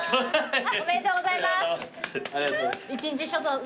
おめでとうございます。